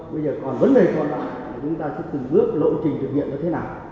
bây giờ còn vấn đề còn lại chúng ta sẽ từng bước lộ trình thực hiện như thế nào